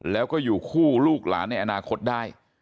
แล้วก็อยู่คู่ลูกหลานในอนาคตได้